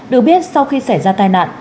được biết sau khi xảy ra tai nạn